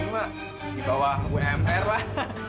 ini mah dibawah wmr lah